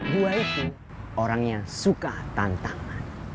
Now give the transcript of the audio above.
gua itu orang yang suka tantangan